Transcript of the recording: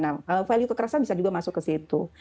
nah value kekerasan bisa juga masuk ke situ